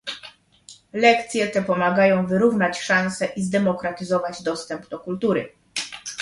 Lekcje te pomagają wyrównać szanse i zdemokratyzować dostęp do kultury